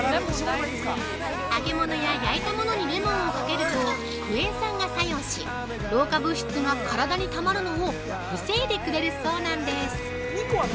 揚げものや焼いたものにレモンをかけるとクエン酸が作用し、老化物質が体にたまるのを防いでくれるそうなんです。